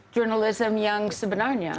jurnalism yang sebenarnya